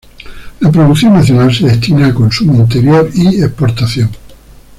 La producción nacional se destina a consumo interior y exportación.